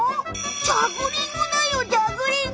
ジャグリングだよジャグリング！